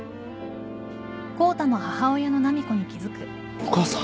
お母さん。